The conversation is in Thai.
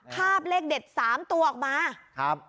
คาบเลขเด็ด๓ตัวออกมา